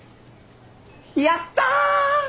やったぁ！